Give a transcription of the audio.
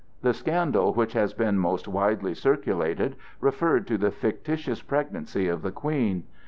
The scandal which has been most widely circulated referred to the fictitious pregnancy of the Queen.